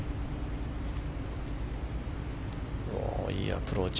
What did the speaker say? いいアプローチ。